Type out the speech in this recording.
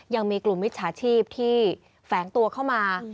ยังมีกลุ่มมิจฉาชีพที่แฝงตัวเข้ามา